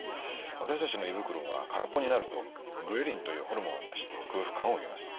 私たちの胃袋は空っぽになるとグレリンというホルモンを出して空腹感を生みます。